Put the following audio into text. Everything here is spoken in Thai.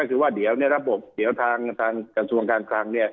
คือว่าจจบสหรับระบบกระทรวงกันทั้ง